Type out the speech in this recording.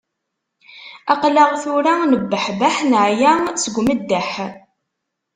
Aql-aɣ tura nebbeḥbeḥ, neɛya seg umeddeḥ